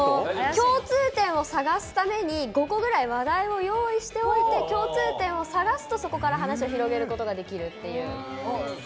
共通点を探すために、５個くらい話題を探しておいて、共通点を探すとそこから話を広げることができるっていう。